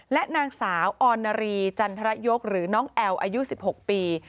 และนางสาวออนนารีจันทรยกหรือน้องแอลอายุ๑๖ปี